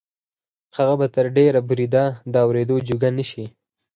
هغه به تر ډېره بریده د اورېدو جوګه شي